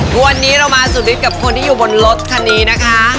วันนี้เรามาสุดฤทธิกับคนที่อยู่บนรถคันนี้นะคะ